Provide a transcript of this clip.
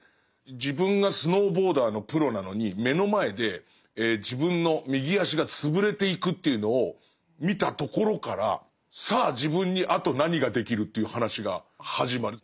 自分がスノーボーダーのプロなのに目の前で自分の右足が潰れていくというのを見たところからさあ自分にあと何ができるという話が始まる。